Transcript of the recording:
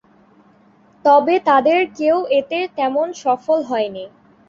তবে তাদের কেউ এতে তেমন সফল হননি।